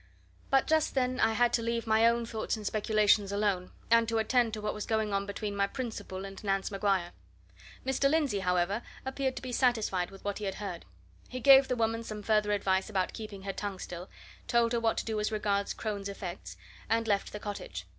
But just then I had to leave my own thoughts and speculations alone, and to attend to what was going on between my principal and Nance Maguire. Mr. Lindsey, however, appeared to be satisfied with what he had heard. He gave the woman some further advice about keeping her tongue still, told her what to do as regards Crone's effects, and left the cottage.